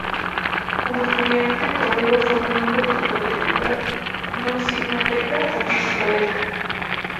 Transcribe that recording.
Como estudiante, Cordero fue miembro de la Fraternidad Nu Sigma Beta, capítulo Delta.